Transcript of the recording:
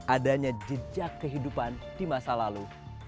adanya jejak kehidupan di masa lalu